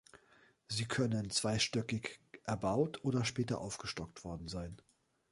Sie können zweistöckig erbaut oder später aufgestockt worden sein.